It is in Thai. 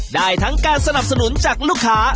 ได้ทั้งการสนับสนุนจากลูกค้า